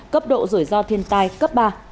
cấp độ rủi ro thiên tai cấp ba